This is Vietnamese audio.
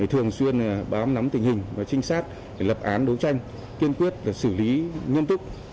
thường xuyên bám nắm tình hình và trinh sát để lập án đấu tranh kiên quyết xử lý nghiêm túc